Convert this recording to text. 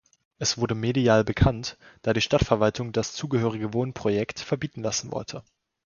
Es wurde medial bekannt, da die Stadtverwaltung das zugehörige Wohnprojekt verbieten lassen wollte.